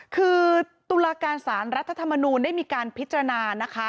คือตุลาการสารรัฐธรรมนูลได้มีการพิจารณานะคะ